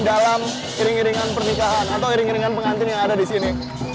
dalam iring iringan pernikahan atau iring iringan pengantin yang ada di sini